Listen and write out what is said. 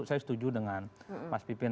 saya setuju dengan mas pipin